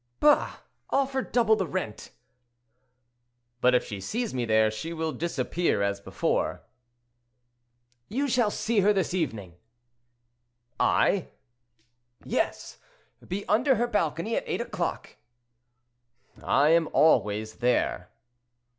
"Bah! offer double the rent!" "But if she sees me there, she will disappear as before." "You shall see her this evening." "I!" "Yes! Be under her balcony at eight o'clock." "I am always there."